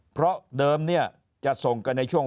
เพราะเดิมเนี่ยจะส่งกันในช่วง